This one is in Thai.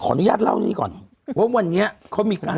อนุญาตเล่านี้ก่อนว่าวันนี้เขามีการ